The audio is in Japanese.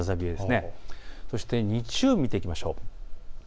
そして日曜日を見ていきましょう。